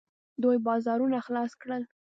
دوی بازارونه خلاص کړل.